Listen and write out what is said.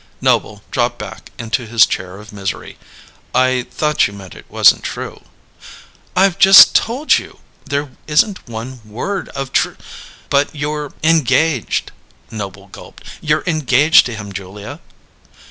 Noble dropped back into his chair of misery. "I thought you meant it wasn't true." "I've just told you there isn't one word of tr " "But you're engaged," Noble gulped. "You're engaged to him, Julia!"